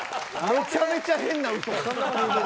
めちゃめちゃ変な嘘です。